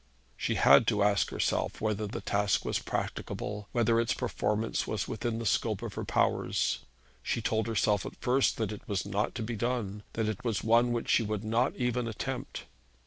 She had to ask herself whether the task was practicable, whether its performance was within the scope of her powers. She told herself at first that it was not to be done; that it was one which she would not even attempt.